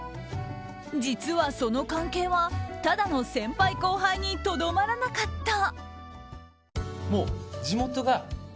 実は、その関係はただの先輩・後輩にとどまらなかった。